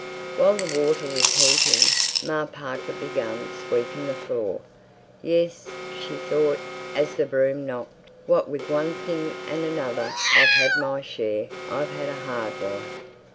While the water was heating, Ma Parker began sweeping the floor. "Yes," she thought, as the broom knocked, "what with one thing and another I've had my share. I've had a hard life."